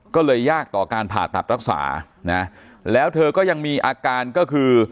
ก็เลยยากต่อการผ่าตัดรักษานะแล้วเธอก็ยังมีอาการก็คือ